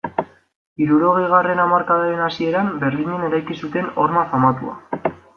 Hirurogeigarren hamarkadaren hasieran Berlinen eraiki zuten horma famatua.